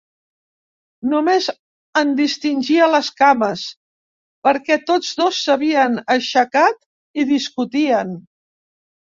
Només en distingia les cames perquè tots dos s'havien aixecat i discutien.